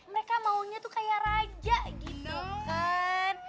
mereka maunya tuh kayak raja gitu kan